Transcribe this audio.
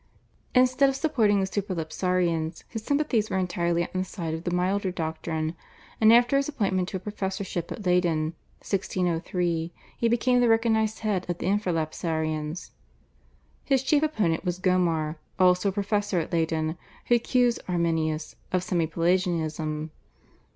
Instead of supporting the Supralapsarians, his sympathies were entirely on the side of the milder doctrine, and after his appointment to a professorship at Leyden (1603) he became the recognised head of the Infralapsarians. His chief opponent was Gomar, also a professor at Leyden, who accused Arminius of Semi Pelagianism.